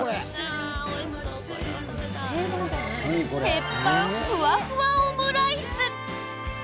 鉄板ふわふわオムライス。